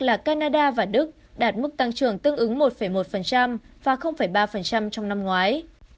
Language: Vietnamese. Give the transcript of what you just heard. là canada và đức đạt mức tăng trưởng tương ứng một một và ba trong năm ngoái